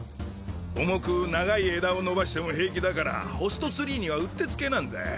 重く長い枝を伸ばしても平気だからホストツリーにはうってつけなんだ。